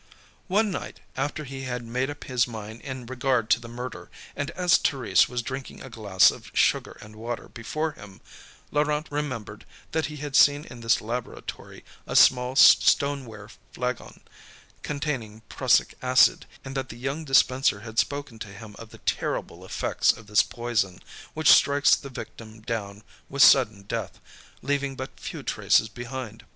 One night, after he had made up his mind in regard to the murder, and as Thérèse was drinking a glass of sugar and water before him, Laurent remembered that he had seen in this laboratory a small stoneware flagon, containing prussic acid, and that the young dispenser had spoken to him of the terrible effects of this poison, which strikes the victim down with sudden death, leaving but few traces behind.